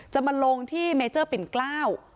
จะมาลงที่เมเจอร์ปิ่นเกล้า